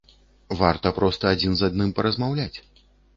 Варта проста адзін з адным паразмаўляць.